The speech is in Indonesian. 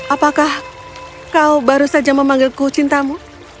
apakah kau baru saja memanggilku cintamu